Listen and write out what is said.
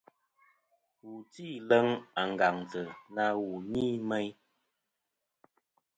Wu tî leŋ àngàŋtɨ na wù ni meyn.